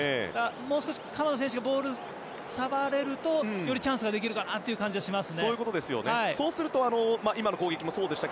もう少し鎌田選手がボールを触れるとよりチャンスができると思います。